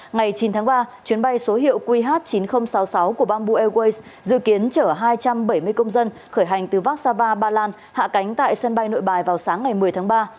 ngày chín tháng ba chuyến bay số hiệu qh chín nghìn sáu mươi sáu của bamboo airways dự kiến chở hai trăm bảy mươi công dân khởi hành từ vác sava ba lan hạ cánh tại sân bay nội bài vào sáng ngày một mươi tháng ba